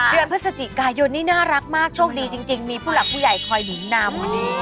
เดือนพฤศจิกายนนี่น่ารักมากโชคดีจริงมีผู้หลักผู้ใหญ่คอยหนุนนามคนนี้